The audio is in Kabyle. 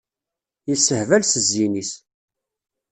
Yessehbal s zzin-is.